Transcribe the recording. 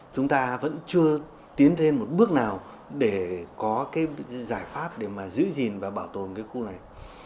chúng ta vẫn chưa tiến thêm một bước nào để có giải pháp để giữ gìn và bảo tồn khu này